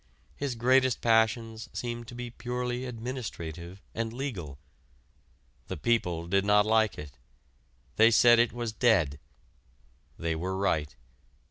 His greatest passions seem to be purely administrative and legal. The people did not like it. They said it was dead. They were right.